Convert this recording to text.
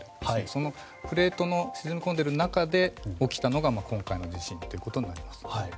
そのプレートの沈み込んでいる中で起きたのが今回の地震ということになります。